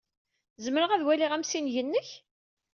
Zemreɣ ad waliɣ amsineg-nnek?